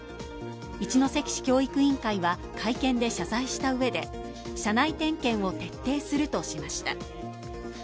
一関市教育委員会は会見で謝罪したうえで車内点検を徹底するとしました。